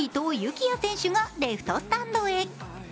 季也選手がレフトスタンドへ。